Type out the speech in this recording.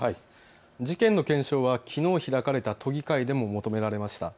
事件の検証はきのう開かれた都議会でも求められました。